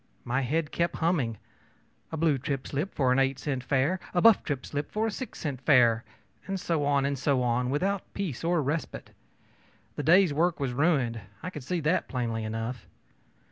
My head kept humming, ōA blue trip slip for an eight cent fare, a buff trip slip for a six cent fare,ö and so on and so on, without peace or respite. The day's work was ruined I could see that plainly enough.